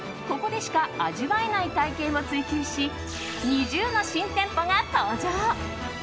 ここでしか味わえない体験を追求し２０の新店舗が登場。